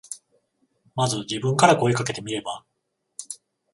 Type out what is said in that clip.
まず自分から声かけてみれば。